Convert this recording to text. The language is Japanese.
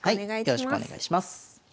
よろしくお願いします。